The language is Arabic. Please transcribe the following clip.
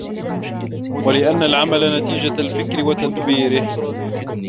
لِأَنَّ الْعَمَلَ نَتِيجَةُ الْفِكْرِ وَتَدْبِيرُهُ